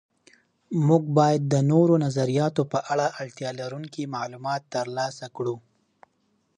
موږ باید د نورو نظریاتو په اړه اړتیا لرونکي معلومات تر لاسه کړو.